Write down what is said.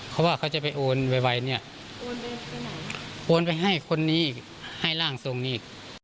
เขาว่าเขาจะไปโอนไวเนี่ยโอนไปให้คนนี้อีกให้ร่างทรงอีก